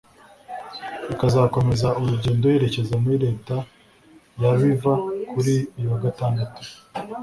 ikazakomeza urugendo yerekeza muri Leta ya River kuri uyu wa gatandatu